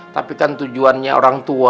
tapi kan tujuannya orang tua